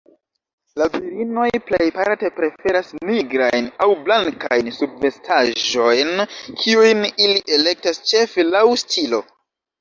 La virinoj plejparte preferas nigrajn aŭ blankajn subvestaĵojn, kiujn ili elektas ĉefe laŭ stilo.